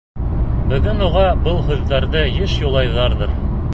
Бөгөн уға был һүҙҙәрҙе йыш юллайҙарҙыр.